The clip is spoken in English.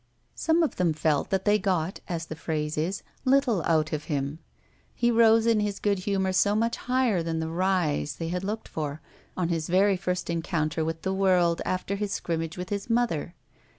Some of them felt that they got, as the phrase is, little out of him he rose in his good humour so much higher than the "rise" they had looked for on his very first encounter with the world after his scrimmage with his mother.